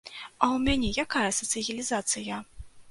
А ў мяне якая сацыялізацыя?